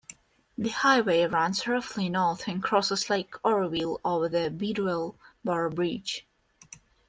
The highway runs roughly north and crosses Lake Oroville over the Bidwell Bar Bridge.